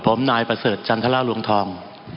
มันมีมาต่อเนื่องมีเหตุการณ์ที่ไม่เคยเกิดขึ้น